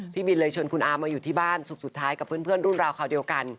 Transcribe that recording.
พี่บินเลยชวนคุณอามาอยู่ที่บ้านสุขสุดท้ายกับเพื่อนรุ่นราวคราวเดียวกัน